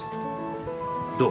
どう？